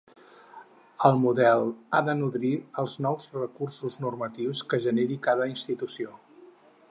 El model ha de nodrir els nous recursos normatius que generi cada institució.